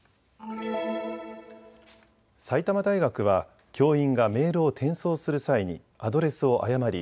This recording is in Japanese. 埼玉大学は教員がメールを転送する際にアドレスを誤り